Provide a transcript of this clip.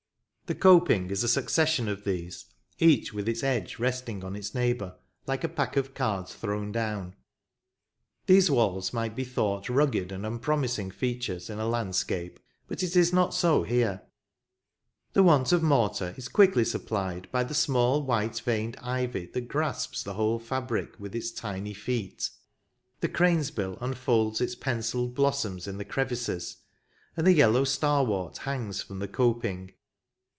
The coping is a succession of these, each with its edge resting on its neighbour, like a pack of cards thrown down. These walls might be thought rugged and unpromising features in a land scape, but it is not so here ; the want of mortar is quickly supplied by the small white veined ivy that grasps the whole fabric with its tiny feet. The cranes bill unfolds its pen cilled blossoms in the crevices, and the yellow starwort hangs from the coping.